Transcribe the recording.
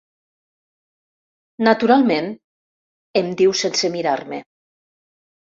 Naturalment —em diu sense mirar-me—.